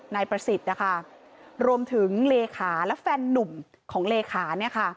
นายประสิทธิ์ค่ะรวมถึงเลขาและแฟนหนุ่มของเลขา